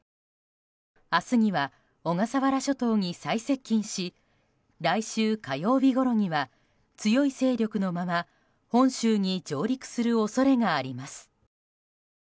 明日には小笠原諸島に最接近し来週火曜日ごろには強い勢力のまま本州に上陸する恐れがあります。